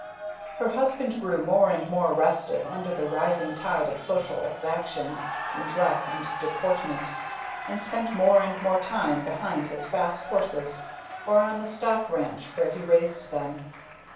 Her husband grew more and more restive under the rising tide of social exactions in dress and deportment; and spent more and more time behind his fast horses, or on the stock ranch where he raised them.